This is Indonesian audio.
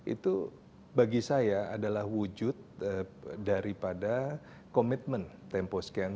itu bagi saya adalah wujud daripada komitmen tempo scan